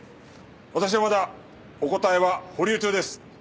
私はまだお答えは保留中です。